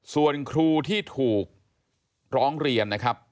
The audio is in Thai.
ส่วนครูที่ถูกร้องเรียนนะครับ